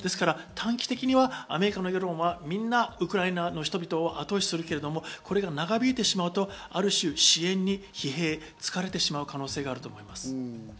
短期的にはやアメリカの世論はみんなウクライナの人々をあと押しするけれども、これが長引いてしまうと、ある種、支援に疲弊、疲れてしまう可能性があると考えます。